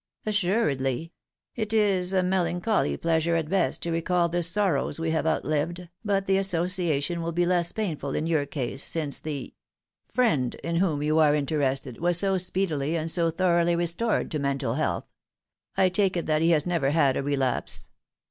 " Assuredly. It is a melancholy pleasure, at best, to recall the sorrows we have outlived, but the association will be less painful in your case since the friend in whom you are interested was so speedily and so thoroughly restored to mental health. I take it that he has never had a relapse